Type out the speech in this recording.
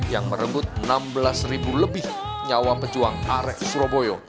yang merebut enam belas ribu lebih nyawa pejuang arek surabaya